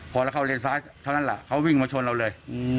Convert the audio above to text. พอเราเข้าเลนซ้ายเท่านั้นแหละเขาวิ่งมาชนเราเลย